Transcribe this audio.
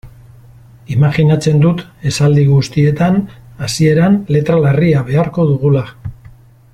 Imajinatzen dut esaldi guztietan hasieran letra larria beharko dugula.